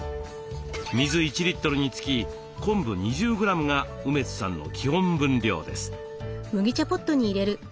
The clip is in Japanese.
水１リットルにつき昆布２０グラムが梅津さんの基本分量です。